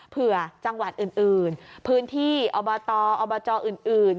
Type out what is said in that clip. เผื่อจังหวัดอื่นพื้นที่อบตอบจอื่น